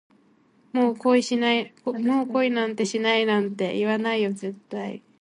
もう恋なんてしないなんて、言わないよ絶対